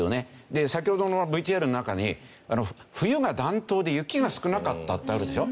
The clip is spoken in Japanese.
で先ほどのＶＴＲの中に「冬が暖冬で雪が少なかった」ってあるでしょ？